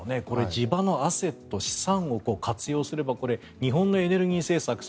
これ地場のアセット、資産を活用すれば日本のエネルギー政策